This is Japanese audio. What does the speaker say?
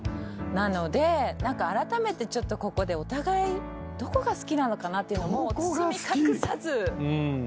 なので何かあらためてちょっとここでお互いどこが好きなのかなっていうのもう。